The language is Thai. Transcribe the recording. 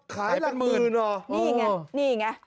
ค้าละหมื่นนี้ไงนี้ไง